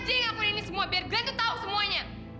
lu semua aja ngakutin ini semua biar glenn tau semuanya